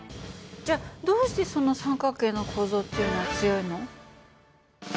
じゃあどうしてその三角形の構造っていうのは強いの？